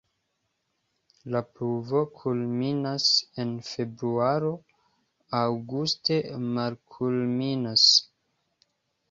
La pluvo kulminas en februaro, aŭguste malkulminas.